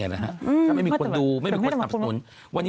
ถ้าไม่มีคนดูไม่มีคนดีสนับสนุน